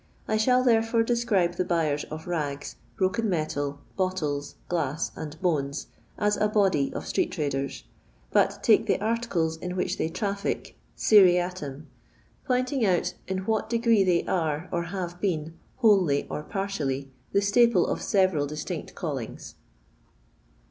I shall, therefore, describe the buyers of rags, brtken metal, bottles, glass, and bones, as a body of street traders, but take the articles in which they traffic seriatim, pointing out in what degree they are, or have been, wholly or partially, the staple of several distinct callings.